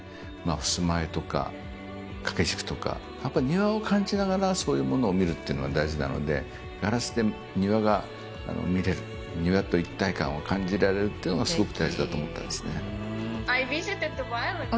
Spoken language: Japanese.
ふすま絵とか掛け軸とかやっぱ庭を感じながらそういうものを見るっていうのが大事なのでガラスで庭が見れる庭と一体感を感じられるっていうのがすごく大事だと思ってますね。